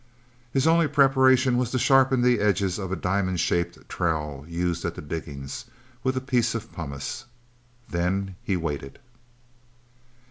His only preparation was to sharpen the edges of a diamond shaped trowel used at the diggings, with a piece of pumice. Then he waited.